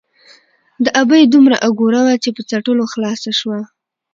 ـ د ابۍ دومره اګوره وه ،چې په څټلو خلاصه شوه.